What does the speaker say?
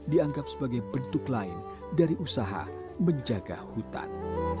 dianggap sebagai bentuk lain dari usaha menjaga hutan